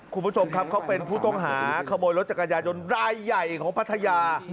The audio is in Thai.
คุณผู้ชมครับเขาเป็นผู้ต้องหาขโมยรถจักรยายนต์รายใหญ่ของพัทยา